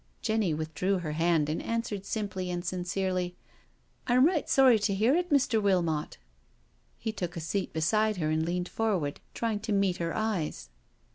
Jenny withdrew her hand and answered simply and sincerely, " I am right sorry to hear it, Mr. Wilmot." He took a seat beside her and leaned forward, try ing to meet her eyes.